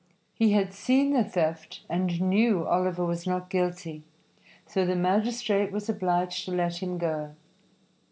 He had seen the theft and knew Oliver was not guilty, so the magistrate was obliged to let him go.